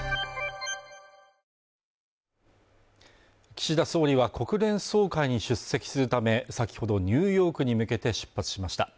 岸田総理は国連総会に出席するため先ほどニューヨークに向けて出発しました